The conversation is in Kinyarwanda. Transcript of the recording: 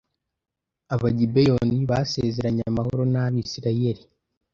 Abagibeyoni basezeranye amahoro n Abisirayeli